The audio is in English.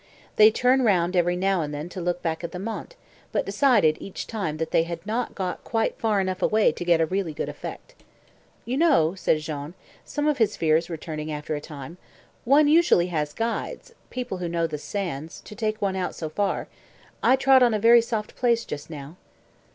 They turned round every now and then to look back at the Mont, but decided each time that they had not got quite far enough away to get a really good effect. "You know," said Jean, some of his fears returning after a time, "one usually has guides people who know the sands to take one out so far. I trod on a very soft place just now."